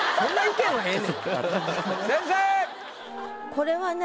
これはね